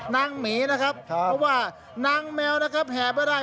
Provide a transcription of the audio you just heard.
นางหมีนะครับเพราะว่านางแมวแห่ไม่ได้